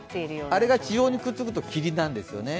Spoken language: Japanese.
あれが地上にくっつくと霧なんですよね。